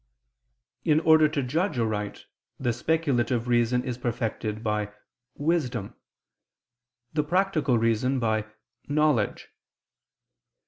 _ In order to judge aright, the speculative reason is perfected by wisdom; the practical reason by _knowledge.